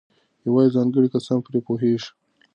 یوازې ځانګړي کسان پرې پوهېږي.